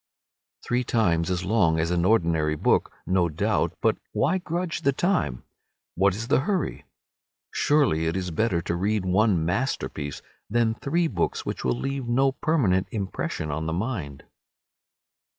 Three times as long as an ordinary book, no doubt, but why grudge the time? What is the hurry? Surely it is better to read one masterpiece than three books which will leave no permanent impression on the mind.